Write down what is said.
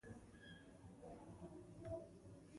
مسلکي کارګران او متخصصین شي.